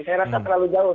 saya rasa terlalu jauh